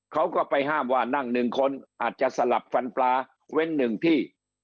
เขาก็ไปห้ามว่านั่งหนึ่งคนอาจจะสลับฟันปลาเว้น๑ที่